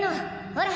ほら。